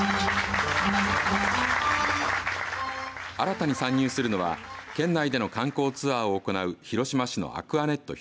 新たに参入するのは県内での観光ツアーを行う広島市のアクアネット